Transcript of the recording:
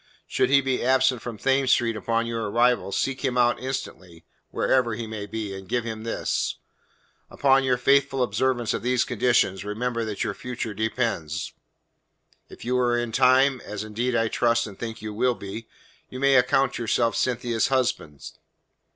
Should he be absent from Thames Street upon your arrival, seek him out instantly, wherever he may be, and give him this. Upon your faithful observance of these conditions remember that your future depends. If you are in time, as indeed I trust and think you will be, you may account yourself Cynthia's husband.